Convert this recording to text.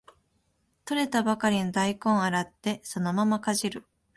採れたばかりの大根を洗ってそのままかじる